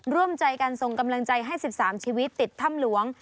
ร่วมใจกันส่งกำลังใจให้๑๓ชีวิตติดถ้ำหลวง